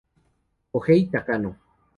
Kohei Takano